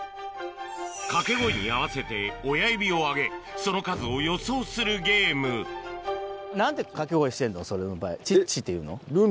かけ声に合わせて親指を上げその数を予想するゲームチッチっていうの？